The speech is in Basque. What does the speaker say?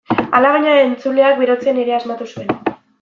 Alabaina, entzuleak berotzen ere asmatu zuen.